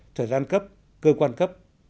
thời gian cấp cơ quan cấp